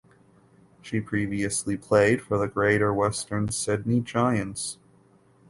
She previously played for the Greater Western Sydney Giants.